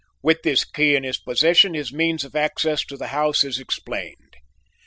With this key in his possession his means of access to the house is explained.